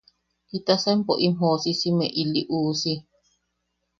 ¿Jitasa empo im joʼosisime ili uusi?